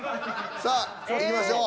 さあいきましょう。